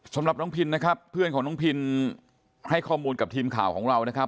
สำหรับน้องพินนะครับเพื่อนของน้องพินให้ข้อมูลกับทีมข่าวของเรานะครับ